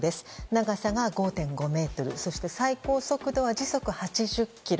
長さが５．５ｍ、最高速度は時速８０キロ。